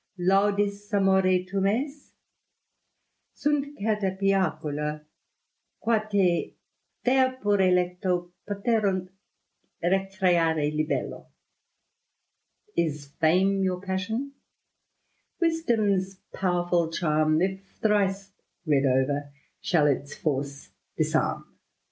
(C Laudis amore fumes f Sunt certa piacuia^ qua U Terpure lecto poteruni recreare libello.V " Is fame your passion ? Wisdom's powerfiil charm. If thrice read over, shall its force disarm."